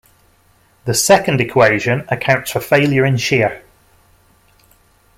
The second equation accounts for failure in shear.